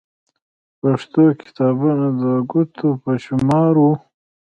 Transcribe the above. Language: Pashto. پښتو کتابونه د ګوتو په شمار وو.